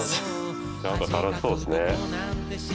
なんか楽しそうですね。